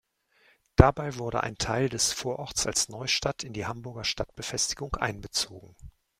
Dabei wurde ein Teil des Vororts als Neustadt in die Hamburger Stadtbefestigung einbezogen.